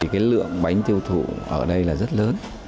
cái lượng bánh tiêu thụ ở đây là rất lớn